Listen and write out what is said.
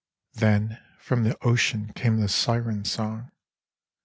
Then from the Ocean came the Syren song.